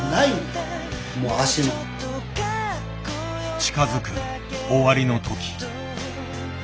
近づく終わりの時。